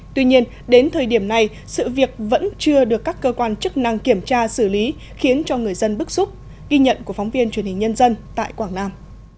tuy nhiên đến thời điểm này sự việc vẫn chưa được các cơ quan chức năng kiểm tra xử lý khiến cho người dân bức xúc ghi nhận của phóng viên truyền hình nhân dân tại quảng nam